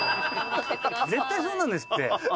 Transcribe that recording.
絶対そうなんですって。